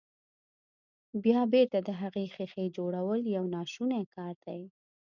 بيا بېرته د هغې ښيښې جوړول يو ناشونی کار دی.